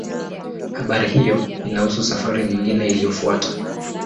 Habari hiyo inahusu safari nyingine iliyofuata.